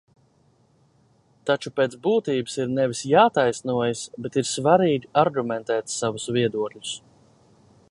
Taču pēc būtības ir nevis jātaisnojas, bet ir svarīgi argumentēt savus viedokļus.